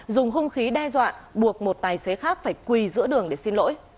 dùng hung khí đe dọa buộc một tài xế khác phải quỳ giữa đường để xin lỗi